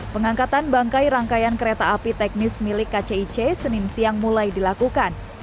pengangkatan bangkai rangkaian kereta api teknis milik kcic senin siang mulai dilakukan